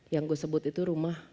yang gue sebut itu rumah